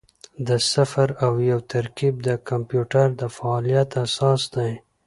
د صفر او یو ترکیب د کمپیوټر د فعالیت اساس دی.